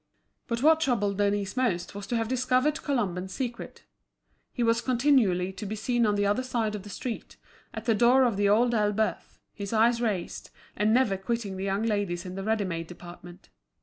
But what troubled Denise most was to have discovered Colomban's secret. He was continually to be seen on the other side of the street, at the door of The Old Elbeuf, his eyes raised, and never quitting the young ladies in the ready made department.